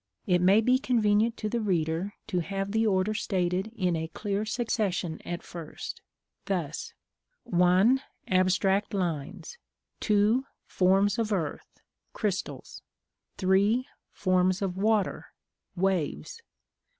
It may be convenient to the reader to have the order stated in a clear succession at first, thus: 1. Abstract lines. 2. Forms of Earth (Crystals). 3. Forms of Water (Waves).